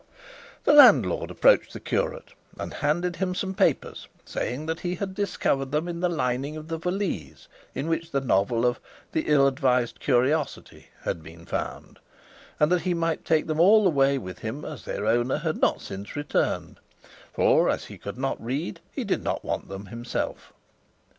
The landlord approached the curate and handed him some papers, saying he had discovered them in the lining of the valise in which the novel of "The Ill advised Curiosity" had been found, and that he might take them all away with him as their owner had not since returned; for, as he could not read, he did not want them himself.